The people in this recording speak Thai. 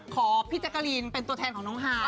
ขอพี่แจ๊กกะลีนเป็นตัวแทนของน้องฮาย